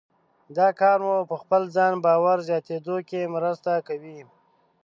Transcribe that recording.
دا کار مو په خپل ځان باور زیاتېدو کې مرسته کوي.